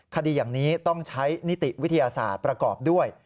คดีอย่างนี้ต้องใช้นิติวิทยาศาสตร์ประกอบด้วย